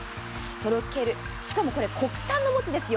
とろける、しかもこれ国産のもつですよ。